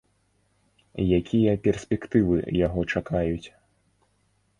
Якія перспектывы яго чакаюць?